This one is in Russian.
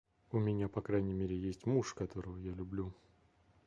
У меня по крайней мере есть муж, которого я люблю.